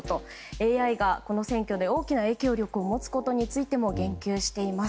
ＡＩがこの選挙で大きな影響力を持つことについても言及しています。